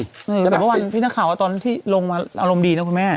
แต่เมื่อวานพี่นักข่าวว่าตอนที่ลงมาอารมณ์ดีนะคุณแม่